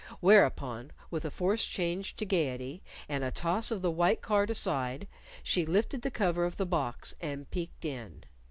Whereupon, with a forced change to gayety, and a toss of the white card aside, she lifted the cover of the box and peeked in.